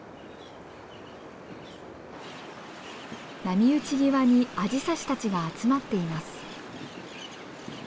波打ち際にアジサシたちが集まっています。